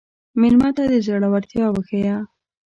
مېلمه ته زړورتیا وښیه.